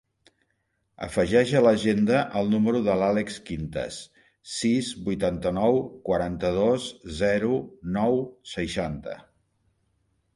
Afegeix a l'agenda el número de l'Àlex Quintas: sis, vuitanta-nou, quaranta-dos, zero, nou, seixanta.